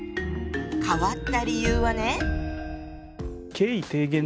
変わった理由はね。